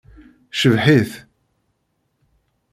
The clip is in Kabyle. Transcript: Cebbeḥ-it!